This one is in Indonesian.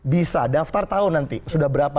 bisa daftar tahun nanti sudah berjaya